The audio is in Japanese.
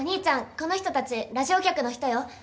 この人たちラジオ局の人よ。